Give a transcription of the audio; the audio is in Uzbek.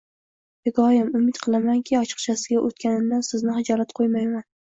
Begoyim, umid qilamanki, ochiqchasiga o`tganimdan Sizni xijolatga qo`ymayman